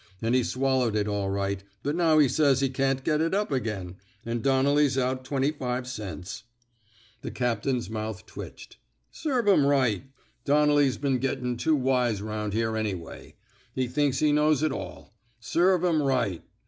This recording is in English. And he swallowed it all right, but now he says he can't get it up again — and Doimelly's out twenty five cents.'' The captain's mouth twitched. Serve him right. Donnelly's been gettin' too wise 'round here anyway. He thinks he knows it all. Serve him right."